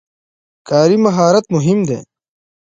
کاري مهارت مهم دی.